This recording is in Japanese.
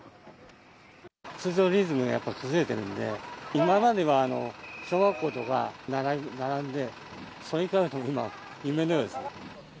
通常のリズムがやっぱり崩れてるんで、今までは小学校とか並んで、それに比べたら、今、夢のようです。